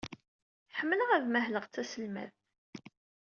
Ḥemmleɣ ad mahleɣ d taselmadt.